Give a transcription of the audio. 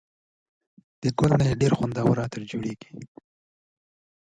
له ګل څخه یې په زړه پورې عطر جوړېږي.